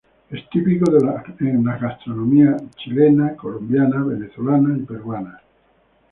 Es típico en las gastronomías chilena, colombiana, venezolana y peruana.